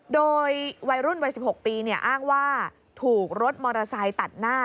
โดยวัยรุ่นวัย๑๖ปีอ้างว่าถูกรถมอเตอร์ไซค์ตัดหน้า